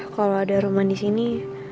kalo ada roman disini